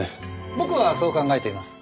僕はそう考えています。